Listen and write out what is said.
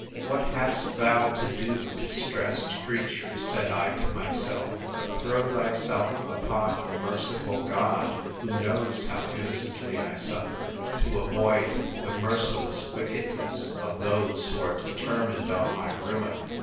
—What hast thou to do, distressed creature, said I to myself, but throw thyself upon a merciful God, (who knows how innocently I suffer,) to avoid the merciless wickedness of those who are determined on my ruin?